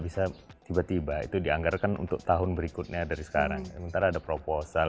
bisa tiba tiba itu dianggarkan untuk tahun berikutnya dari sekarang sementara ada proposal